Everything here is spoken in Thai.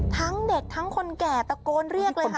ทั้งเด็กทั้งคนแก่ตะโกนเรียกเลยค่ะ